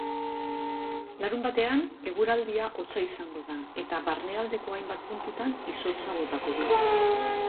Larunbatean, eguraldia hotza izango da eta barnealdeko hainbat puntutan izotza botako du.